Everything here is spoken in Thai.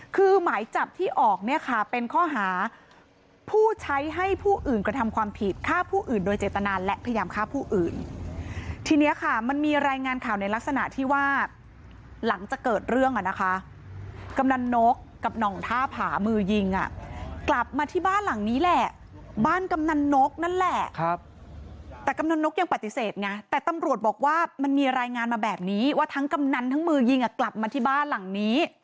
คือหมายจับที่ออกเนี่ยค่ะเป็นข้อหาผู้ใช้ให้ผู้อื่นก็ทำความผิดฆ่าผู้อื่นโดยเจตนาและพยายามฆ่าผู้อื่นทีเนี้ยค่ะมันมีรายงานข่าวในลักษณะที่ว่าหลังจากเกิดเรื่องอ่ะนะคะกำนันนกกับหน่องท่าผามือยิงอ่ะกลับมาที่บ้านหลังนี้แหละบ้านกำนันนกนั่นแหละครับแต่กำนันนกยังปฏิเสธ